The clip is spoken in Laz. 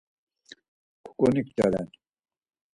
Kuǩunikt̆eren.